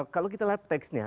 kalau kita lihat teksnya